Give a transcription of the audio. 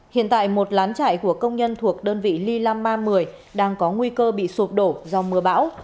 hiện tại một lán chải của công nhân thuộc đơn vị ly lam ma một mươi đang có nguy cơ bị sụp đổ do mưa bão